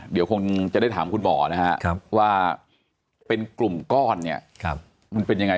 เดี๋ยวคงจะได้ถามคุณหมอนะฮะว่าเป็นกลุ่มก้อนเนี่ยมันเป็นยังไง